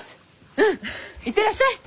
うん行ってらっしゃい！